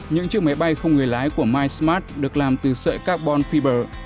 những chiếc máy bay không người lái của mysmart được làm từ sợi carbon fiber